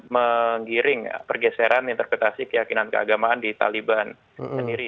menggiring pergeseran interpretasi keyakinan keagamaan di taliban sendiri